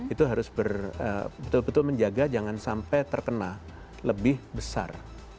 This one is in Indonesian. itu harus betul betul menjaga jangan sampai terkena lebih besar